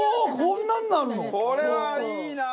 これはいいなあ！